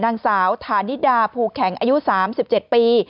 นางสาวธานิดาภูแข็งอายุ๓๗ปี